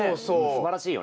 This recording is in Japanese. すばらしいよね。